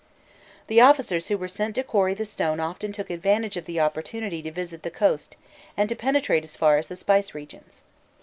The officers who were sent to quarry the stone often took advantage of the opportunity to visit the coast, and to penetrate as far as the Spice Regions.